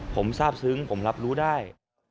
ผมทราบซึ้งผมรับรู้ได้